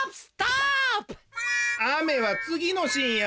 雨はつぎのシーンや。